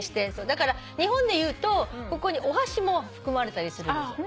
だから日本でいうとここにお箸も含まれたりするんですよ。